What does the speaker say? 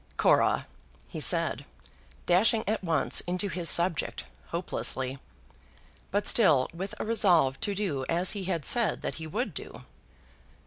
"Cora," he said, dashing at once into his subject hopelessly, but still with a resolve to do as he had said that he would do.